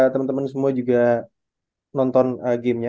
temen temen semua juga nonton game nya